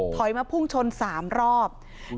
มาพุ่งชน๓รอบ